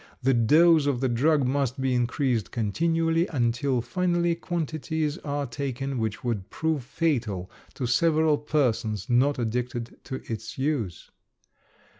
The dose of the drug must be increased continually, until finally quantities are taken which would prove fatal to several persons not addicted to its use.